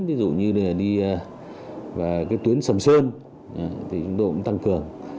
ví dụ như tuyến sầm sơn chúng tôi cũng tăng cường